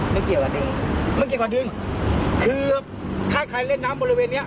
ไม่เกลียดกว่าคือถ้าใครเล่นน้ำบริเวณเนี้ย